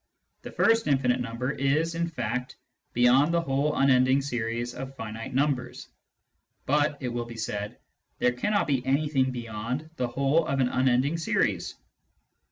The first infinite number is, in fact, beyond the whole unending series of finite numbers. " But," it will be said, " there cannot be anything beyond the whole of an unending series."